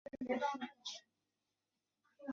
垂花蓬莱葛为马钱科蓬莱葛属下的一个种。